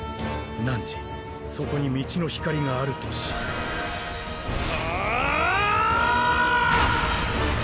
汝そこに道の光があると知れ。